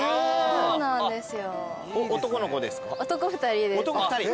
そうなんですよ。